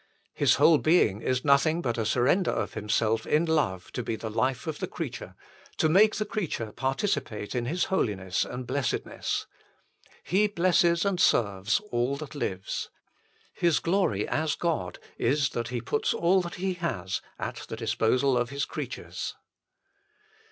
His whole being is nothing but a surrender of Himself in love to be the life of the creature, to make the creature HOW IT MAY BE INCREASED 115 participate in His holiness and blessedness. He blesses and serves all that lives. His glory as God is that He puts all that He has at the disposal of His creatures.